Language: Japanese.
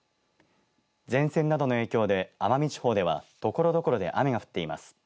前線などの影響で奄美地方ではところどころで雨が降っています。